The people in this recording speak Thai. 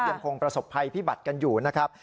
ยังคงประสบภัยพิบัติกันอยู่นะครับ